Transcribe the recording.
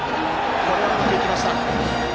これはうまくいきました。